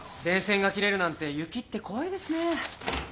電線が切れるなんて雪って怖いですね。